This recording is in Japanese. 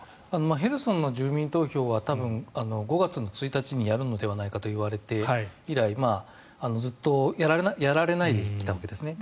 ヘルソンの住民投票は多分、５月１日にやるのではないかといわれて以来ずっとやられないできたわけですね。